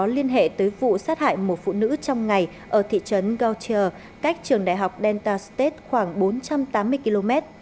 cảnh sát liên hệ tới vụ sát hại một phụ nữ trong ngày ở thị trấn gautier cách trường đại học delta state khoảng bốn trăm tám mươi km